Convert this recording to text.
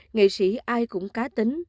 nghệ sĩ ai cũng cá tính